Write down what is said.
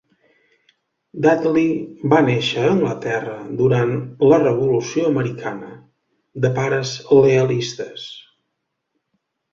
Dudley va néixer a Anglaterra durant la Revolució Americana, de pares lealistes.